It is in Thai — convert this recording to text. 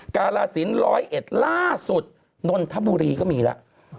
กาลสินร้อยเอ็ดล่าสุดนนทบุรีก็มีแล้ว